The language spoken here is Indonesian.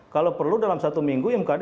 kalau perlu dalam satu minggu mkd